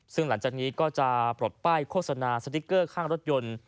ซึ่งหลังจากนี้ก็จะปลดป้ายโฆษณาสติ๊กเกอร์ข้างรถยนต์